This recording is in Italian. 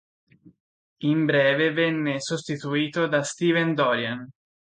In breve venne sostituito da Steven Dorian.